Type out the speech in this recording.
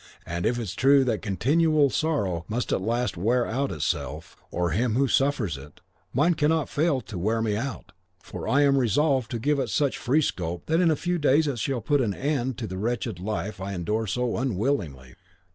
And if it is true that continual sorrow must at last wear out itself, or him who suffers it, mine cannot fail to wear me out, for I am resolved to give it such free scope that in a few days it shall put an end to the wretched life I endure so unwillingly.